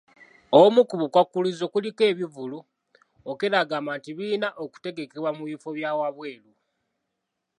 Obumu ku bukwakkulizo kuliko ebivvulu, Okello agamba nti birina kutegekebwa mu bifo bya wabweru.